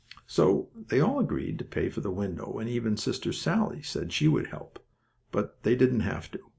So they all agreed to pay for the window, and even Sister Sallie said she would help. But they didn't have to.